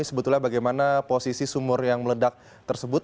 sebetulnya bagaimana posisi sumur yang meledak tersebut